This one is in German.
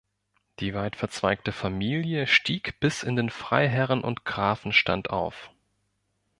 Die weit verzweigte Familie stieg bis in den Freiherren- und Grafenstand auf.